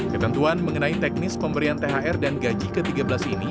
ketentuan mengenai teknis pemberian thr dan gaji ke tiga belas ini